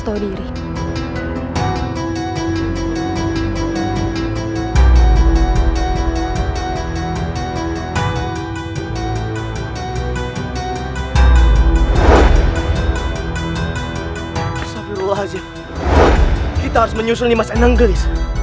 alhamdulillah kita harus menyusul nih mas enanggelis